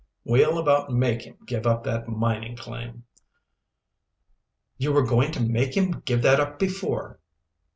"We'll about make him give up that mining claim." "You were going to make him give that up before."